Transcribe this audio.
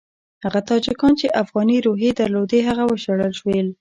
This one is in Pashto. هغه تاجکان چې افغاني روحیې درلودې هم وشړل شول.